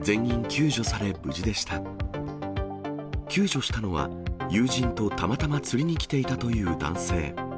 救助したのは、友人とたまたま釣りに来ていたという男性。